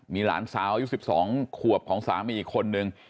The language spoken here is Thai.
มีหลานสาวอายุ๑๒ขวบของสามีอีกคนนึง